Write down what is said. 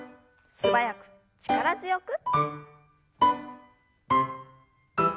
素早く力強く。